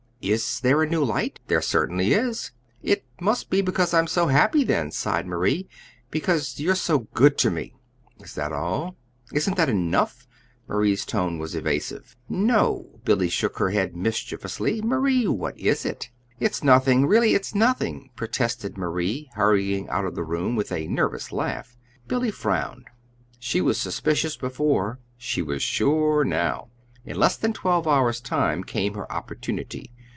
"Is there a new light?" "There certainly is." "It must be because I'm so happy, then," sighed Marie; "because you're so good to me." "Is that all?" "Isn't that enough?" Marie's tone was evasive. "No." Billy shook her head mischievously. "Marie, what is it?" "It's nothing really, it's nothing," protested Marie, hurrying out of the room with a nervous laugh. Billy frowned. She was suspicious before; she was sure now. In less than twelve hours' time came her opportunity.